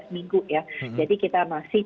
dua belas minggu ya jadi kita masih